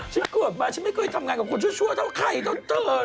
ฉันเกิดมาฉันไม่เคยทำงานกับคนชัวร์เท่าใครเท่าเธอเลยจริง